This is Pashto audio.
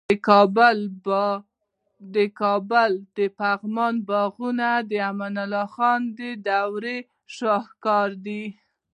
د کابل د پغمان باغونه د امان الله خان د دورې شاهکار دي